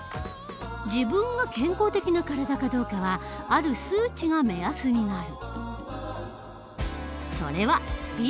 自分が健康的な体かどうかはある数値が目安になる。